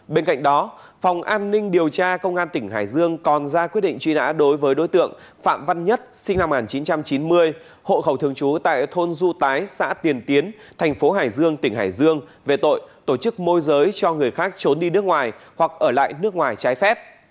bên cạnh đó phòng an ninh điều tra công an tỉnh hải dương còn ra quyết định truy nã đối với đối tượng phạm văn nhất sinh năm một nghìn chín trăm chín mươi hộ khẩu thường trú tại thôn du tái xã tiền tiến thành phố hải dương tỉnh hải dương về tội tổ chức môi giới cho người khác trốn đi nước ngoài hoặc ở lại nước ngoài trái phép